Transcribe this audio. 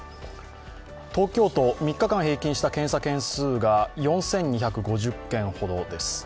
東京都３日間平均した検査件数が４２５０件ほどです。